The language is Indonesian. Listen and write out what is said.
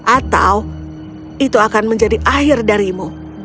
atau itu akan menjadi akhir darimu